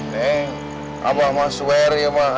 neng abah mah swear ya mah